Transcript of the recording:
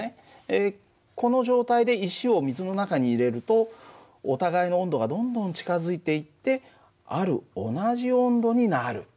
この状態で石を水の中に入れるとお互いの温度がどんどん近づいていってある同じ温度になる。